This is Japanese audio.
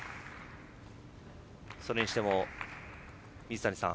それにしても、水谷さん